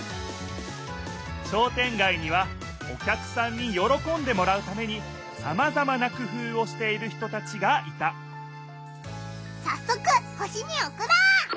商店街にはお客さんによろこんでもらうためにさまざまなくふうをしている人たちがいたさっそく星におくろう！